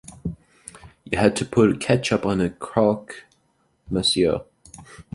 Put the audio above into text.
You have to put ketchup on a Croque Monsieur.